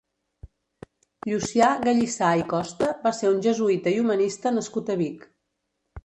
Llucià Gallissà i Costa va ser un jesuïta i humanista nascut a Vic.